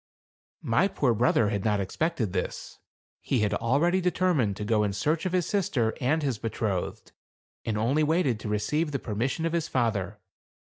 My poor brother had not expected this. He had already determined to go in search of his sister and his betrothed, and only waited to re ceive the permission of his father.